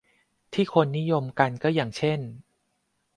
ที่คนนิยมกันก็อย่างเช่น